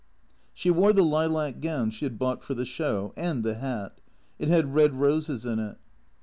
She wore the lilac gown she had bought for the Show, and the hat. It had red roses in it.